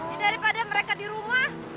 daripada mereka di rumah